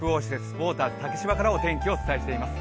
ウォーターズ竹芝からお天気をお伝えしています。